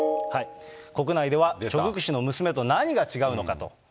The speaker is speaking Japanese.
国内ではチョ・グク氏の娘と何が違うのかと。